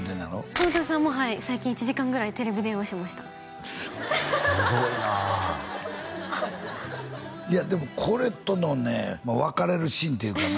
トータスさんもはい最近１時間ぐらいテレビ電話しましたすごいないやでもこれとのね別れるシーンっていうかな